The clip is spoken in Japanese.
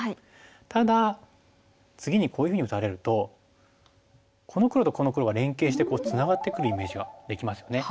ただ次にこういうふうに打たれるとこの黒とこの黒が連係してツナがってくるイメージができますよね。